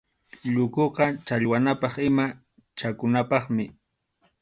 Llukuqa challwanapaq ima chakunapaqmi.